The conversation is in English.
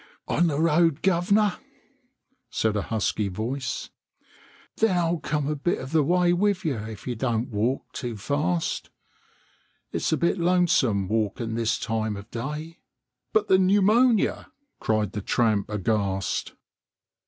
" On the road, guv'nor ?" said a husky voice. "Then I'll come a bit of the way with you if you don't walk too fast. It's a bit lonesome walking this time of day." "But the pneumonia!" cried the tramp aghast.